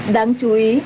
đáng chú ý